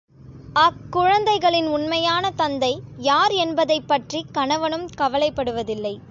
அக் குழந்தைகளின் உண்மையான தந்தை, யார் என்பதைப் பற்றிக் கணவனும் கவலைப்படுவதில்லை.